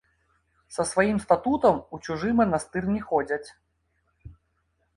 Са сваім статутам у чужы манастыр не ходзяць.